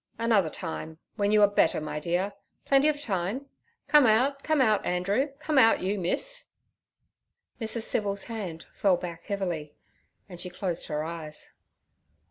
'Another time, when you are better, my dear; plenty of time. Come out—come out, Andrew; come out, you, miss.' Mrs. Civil's hand fell back heavily, and she closed her eyes.